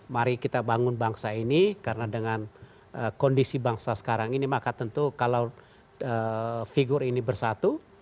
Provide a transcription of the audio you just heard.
mari kita bangun bangsa ini karena dengan kondisi bangsa sekarang ini maka tentu kalau figur ini bersatu